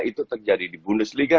itu terjadi di bundesliga